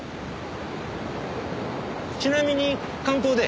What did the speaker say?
ちなみに観光で？